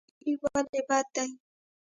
تخریب ولې بد دی؟